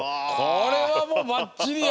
これはもうバッチリや！